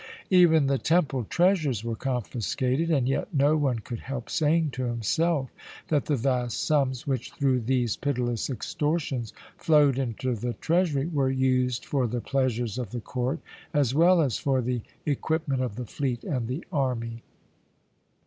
Even the temple treasures were confiscated, and yet no one could help saying to himself that the vast sums which, through these pitiless extortions, flowed into the treasury, were used for the pleasures of the court as well as for the equipment of the fleet and the army.